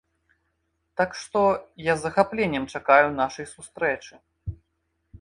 Так што, я з захапленнем чакаю нашай сустрэчы.